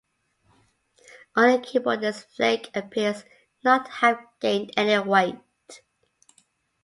Only keyboardist Flake appears not to have gained any weight.